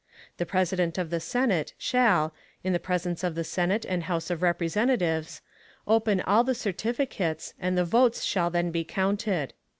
The President of the Senate shall, in the Presence of the Senate and House of Representatives, open all the Certificates, and the Votes shall then be counted.